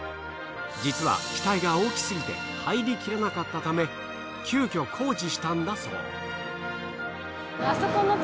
実は機体が大きすぎて入りきらなかったため急遽工事したんだそう。